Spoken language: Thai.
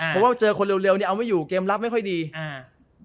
เพราะว่าเจอคนเร็วเร็วเนี้ยเอาไม่อยู่เกมรับไม่ค่อยดีอ่า